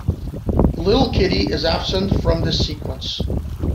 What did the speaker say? Little Kitty is absent from this sequence.